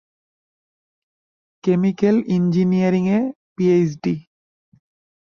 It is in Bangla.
কেমিকেল ইঞ্জিনিয়ারিংয়ে পিএইচডি।